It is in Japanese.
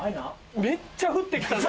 めっちゃ降って来たぞ。